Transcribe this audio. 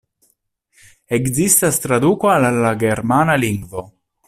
Ekzistas traduko al la germana lingvo.